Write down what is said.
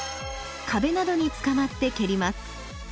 壁などにつかまって蹴ります。